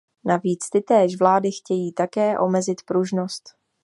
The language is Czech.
Navíc tytéž vlády chtějí také omezit pružnost.